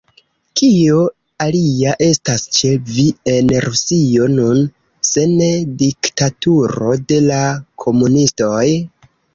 Kio alia estas ĉe vi en Rusio nun, se ne diktaturo de la komunistoj?